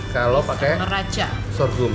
kalau pakai sorghum